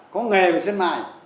có nghề về sơn mài